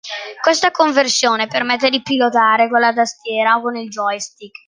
Questa conversione permette di pilotare con la tastiera o con il joystick.